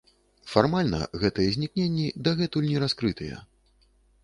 Фармальна, гэтыя знікненні дагэтуль не раскрытыя.